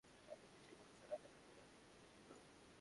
তাহলে তুমি আর পিঙ্কি পুলিশের কাছে গিয়ে বলছো না কেন ওই রাতে কী হয়েছিলো।